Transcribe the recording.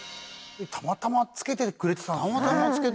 たまたまつけてくれてたんですね。